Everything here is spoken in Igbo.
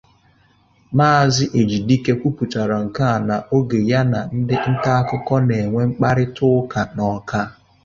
Maazị Ejidike kwupụtara nke a oge ya na ndị ntaakụkọ na-enwe mkparịtaụka n'Awka